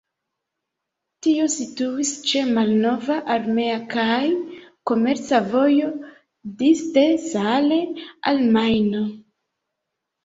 Tio situis ĉe malnova armea kaj komerca vojo disde Saale al Majno.